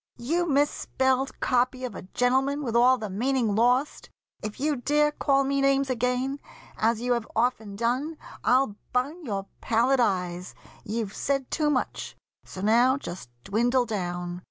"You misspelled copy of a gentleman With all the meaning lost!—if you dare call Me names again as you have often done, I'll bung your pallid eyes. You've said too much, So now just dwindle down.